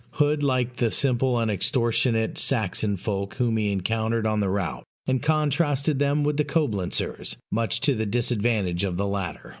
Hood liked the simple unextortionate Saxon folk whom he encountered on the route, and contrasted them with the Coblentzers, much to the disadvantage of the latter.